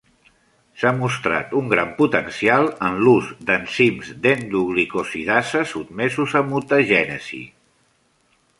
S'ha mostrat un gran potencial en l'ús d'enzims d'endoglicosidasa sotmesos a mutagènesi.